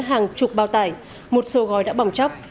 hàng chục bao tải một số gói đã bỏng chóc